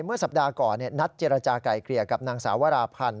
เมื่อสัปดาห์ก่อนนัดเจรจาก่ายเกลี่ยกับนางสาวราพันธ์